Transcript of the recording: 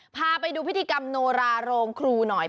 พาไปดูพิธีกรรมโนราโรงครูหน่อย